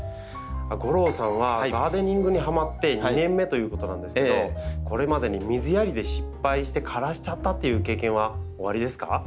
吾郎さんはガーデニングにハマって２年目ということなんですけどこれまでに水やりで失敗して枯らしちゃったっていう経験はおありですか？